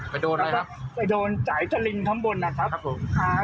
ไปโดนไหมครับไปโดนจ่ายสลิงข้างบนนะครับครับผมอ่า